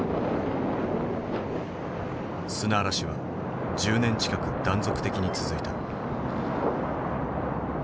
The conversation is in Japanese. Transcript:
砂嵐は１０年近く断続的に続いた。